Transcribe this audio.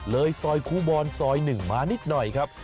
ซอยครูบอลซอย๑มานิดหน่อยครับ